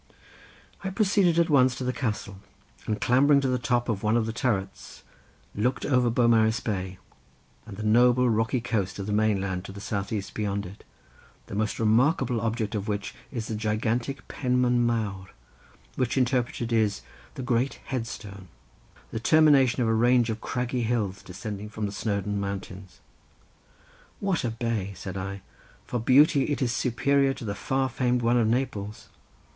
I proceeded at once to the castle, and clambering to the top of one of the turrets, looked upon Beaumaris Bay, and the noble rocky coast of the mainland to the south east beyond it, the most remarkable object of which is the gigantic Penman Mawr, which interpreted is "the great head stone," the termination of a range of craggy hills descending from the Snowdon mountains. "What a bay!" said I, "for beauty it is superior to the far famed one of Naples.